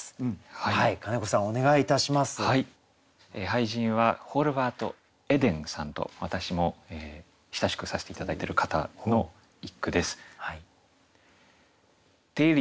俳人はホルヴァート・エデンさんと私も親しくさせて頂いてる方の一句です。